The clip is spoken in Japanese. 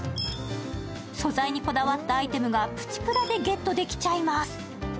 素材にこだわったアイテムがプチプラでゲットできちゃいます。